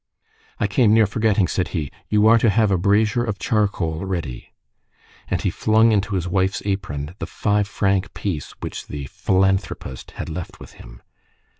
"I came near forgetting," said he. "You are to have a brazier of charcoal ready." And he flung into his wife's apron the five franc piece which the "philanthropist" had left with him.